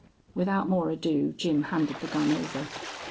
Without more ado Jim handed the gun over.